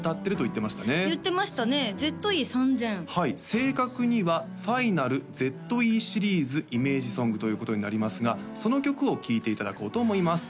正確にはｆｉｎａｌＺＥシリーズイメージソングということになりますがその曲を聴いていただこうと思います